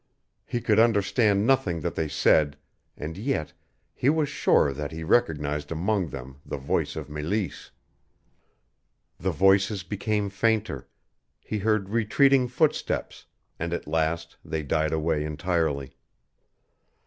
He could understand nothing that they said and yet he was sure that he recognized among them the voice of Meleese. The voices became fainter; he heard retreating footsteps, and at last they died away entirely.